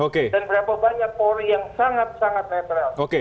dan berapa banyak polri yang sangat sangat netral